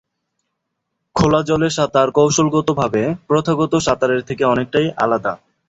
খোলা জলে সাঁতার কৌশলগত ভাবে, প্রথাগত সাঁতারের থেকে অনেকটাই আলাদা।